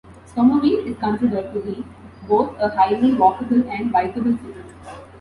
Somerville is considered to be both a highly walkable and bikeable city.